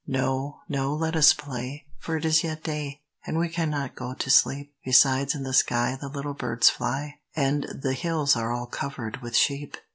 "No, no, let us play, for it is yet day, And we cannot go to sleep; Besides in the sky the little birds fly, And the hills are all covered with sheep.